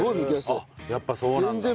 やっぱそうなんだ。